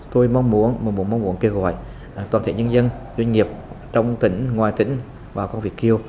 tôi mong muốn kêu gọi toàn thể nhân dân doanh nghiệp trong tỉnh ngoài tỉnh và các vị kiêu